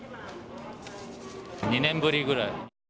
２年ぶりぐらい。